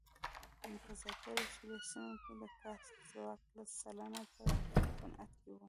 په زیاترو شلي سیمو کې د کاري ځواک لس سلنه په صنعت کې وو.